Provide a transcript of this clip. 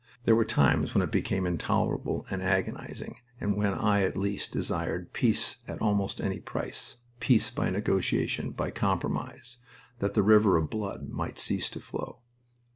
There were times when it became intolerable and agonizing, and when I at least desired peace at almost any price, peace by negotiation, by compromise, that the river of blood might cease to flow.